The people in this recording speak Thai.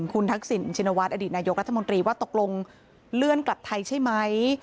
คุณทักษิณชินวัฒนอดีตนายกรัฐมนตรีว่าตกลงเลื่อนกลับไทยใช่ไหม